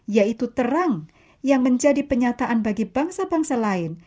yaitu terang yang menjadi penyataan bagi bangsa bangsa lain